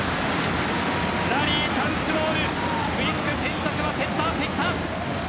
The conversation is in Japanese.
ラリー、チャンスボールクイック選択はセッター・関田。